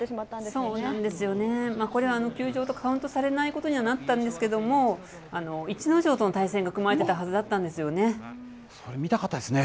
そうなんですよね、これは休場とカウントされないことにはなったんですけれども、逸ノ城との対戦が組まれてたはずだったんでそれ、見たかったですね。